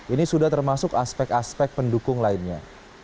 ini sudah termasuk aspek aspek pendukung lainnya